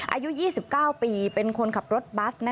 อายุ๒๙ปีเป็นคนขับรถบัส